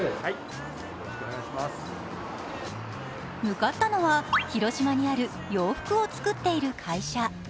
向かったのは、広島にある洋服を作っている会社。